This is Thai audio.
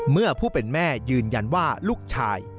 เมื่อผู้เป็นแม่ยืนยันว่าลูกชาย